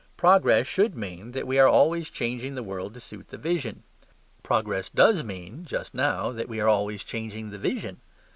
Progress should mean that we are always changing the world to suit the vision. Progress does mean (just now) that we are always changing the vision.